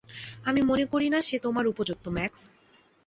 আমি মনে করি না সে তোমার উপযুক্ত, ম্যাক্স।